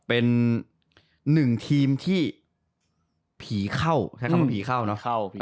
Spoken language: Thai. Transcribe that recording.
เป็นหนึ่งทีมที่ผีเข้าใช้คำว่าผีเข้าเนอะเข้าผี